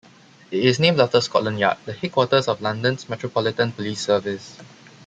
It is named after Scotland Yard, the headquarters of London's Metropolitan Police Service.